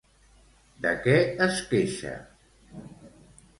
De què es queixa?